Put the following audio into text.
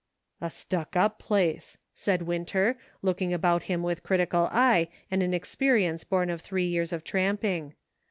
"A stuck up place," said Winter, looking about him with critical eye and an experience born of three years of tramping.